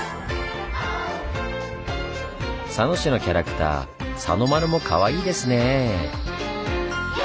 佐野市のキャラクター「さのまる」もかわいいですね！